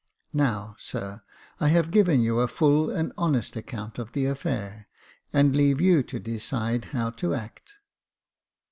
Now, sir, I have given you a full and honest account of the affair, and leave you to decide how to act."